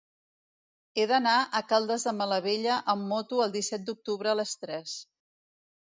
He d'anar a Caldes de Malavella amb moto el disset d'octubre a les tres.